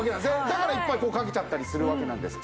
だからいっぱいこうかけちゃったりするわけなんです。